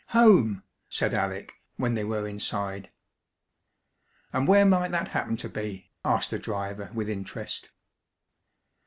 "Home!" said Alec, when they were inside. "And where might that happen to be?" asked the driver with interest.